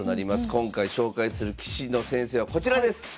今回紹介する棋士の先生はこちらです！